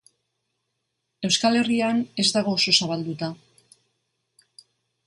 Euskal Herrian ez dago oso zabalduta.